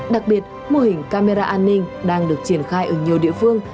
đặc biệt mô hình camera an ninh đang được triển khai ở nhiều địa phương